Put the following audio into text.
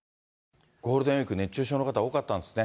ゴールデンウィーク、熱中症の方、多かったんですね。